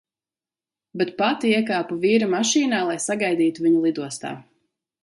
Bet pati iekāpu vīra mašīnā, lai "sagaidītu" viņu lidostā.